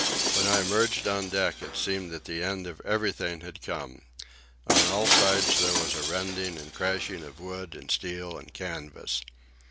When I emerged on deck it seemed that the end of everything had come. On all sides there was a rending and crashing of wood and steel and canvas.